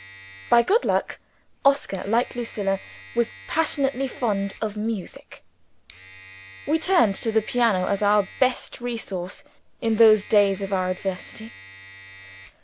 By good luck, Oscar, like Lucilla, was passionately fond of music. We turned to the piano as our best resource in those days of our adversity.